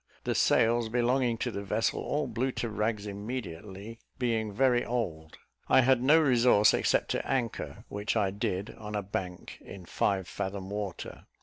The sails belonging to the vessel all blew to rags immediately, being very old. I had no resource, except to anchor, which I did on a bank, in five fathom water.